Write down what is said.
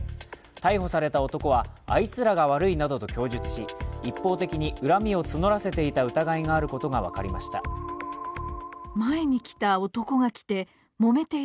逮捕された男は、あいつらが悪いなどと供述し一方的に恨みを募らせていた疑いがあることが分かりました。